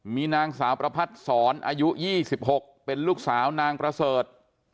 มีนางสาวประพัดศรอายุ๒๖เป็นลูกสาวนางประเสริฐ